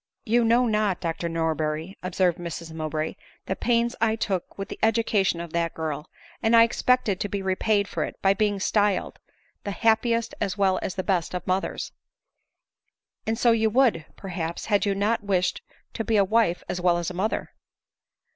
" You know not, Dr Norberry," observed Mrs Mow bray, " the pains I took with the education of that girl ; and I expected to be repaid for it by being styled the happiest as well as best of mothers." " And so you would, perhaps, had you not wished to be a wife as well as mother."